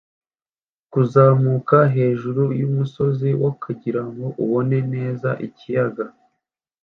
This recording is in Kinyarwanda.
Kuzamuka hejuru yumusozi wakugirango ubone neza ikiyaga